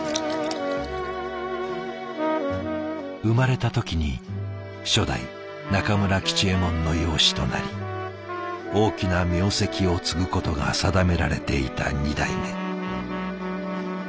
生まれた時に初代中村吉右衛門の養子となり大きな名跡を継ぐことが定められていた二代目。